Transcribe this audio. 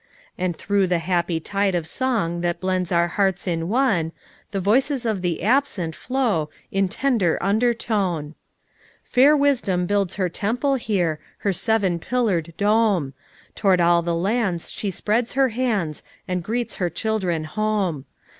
And through the happy tide of song That blends our hearts in one, The voices of the absent, flow In tender undertone. i i Fair Wisdom builds her temple here Her seven pillared dome ; Toward all the lands she spreads her hands And greets her children home.